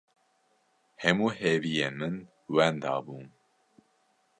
Hemû hêviyên min wenda bûn.